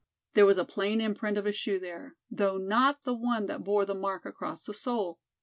There was a plain imprint of a shoe there, though not the one that bore the mark across the sole.